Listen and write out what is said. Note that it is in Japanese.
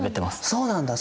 そうなんだ。